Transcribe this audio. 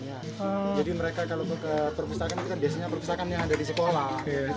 jadi mereka kalau ke perpustakaan itu kan biasanya perpustakaan yang ada di sekolah